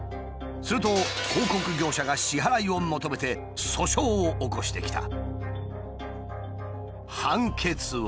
すると広告業者が支払いを求めて訴訟を起こしてきた。